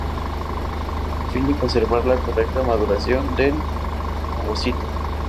Con el fin de conservar la correcta maduración del ovocito.